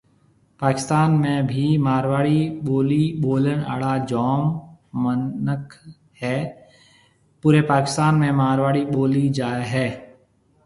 پاڪستان ۾ بهيَ مارواڙي ٻولي ٻولڻ آڙا جام گھڻا مِنک هيَ پوري پاڪستان ۾ مارواڙي ٻولي جائي هيَ۔